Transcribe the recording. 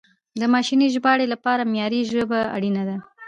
د ماشیني ژباړې لپاره معیاري ژبه اړینه ده.